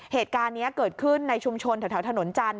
เหตุการณ์นี้เกิดขึ้นในชุมชนแถวถนนจันท